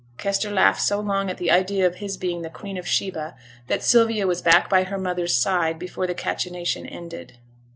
Kester laughed so long at the idea of his being the Queen of Sheba, that Sylvia was back by her mother's side before the cachinnation ended.